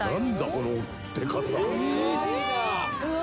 このでかさ！